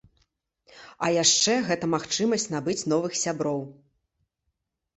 А яшчэ гэта магчымасць набыць новых сяброў!